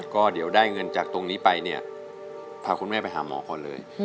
ก็เดี๋ยวได้เงินจากตรงนี้ไปเนี่ยพาคุณแม่ไปหาหมอก่อนเลย